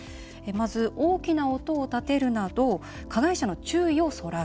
まず、大きな音を立てるなど加害者の注意をそらす。